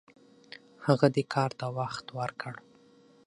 هغه دې کار ته وخت ورکړ.